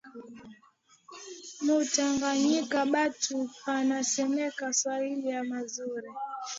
Mu tanganyika batu banasemaka Swahili ya muzuri